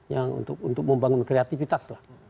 yang untuk membangun kreativitas lah